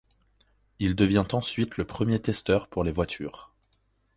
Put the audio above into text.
Il devient ensuite le premier testeur pour les voitures.